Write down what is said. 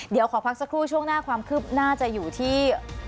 เดี๋ยวขอพักสักครู่ช่วงหน้าความคืบหน้าจะอยู่ที่